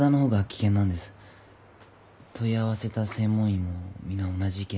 問い合わせた専門医も皆同じ意見でした。